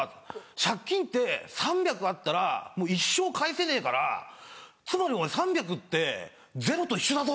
借金って３００あったらもう一生返せねえからつまりお前３００って０と一緒だぞ」